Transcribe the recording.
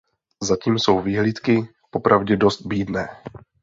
Zatím jsou vyhlídky popravdě dost bídné.